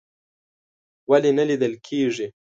ولې نه لیدل کیږي؟